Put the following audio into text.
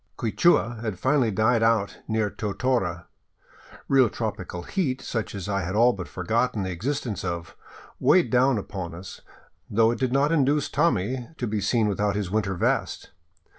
Quichua had finally died out near Totora. Real tropical heat, such as I had all but forgotten the existence of, weighed down upon us, though it did not induce Tommy to be seen without his winter vest.